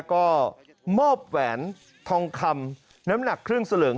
ก็มอบแหวนทองคำน้ำหนักครึ่งสลึง